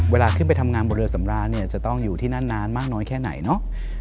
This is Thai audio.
เวลาขึ้นไปทำงานบนเรือสำราญเนี่ยจะต้องอยู่ที่นั่นนานมากน้อยแค่ไหนเนาะ